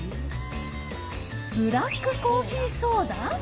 ブラックコーヒーソーダ。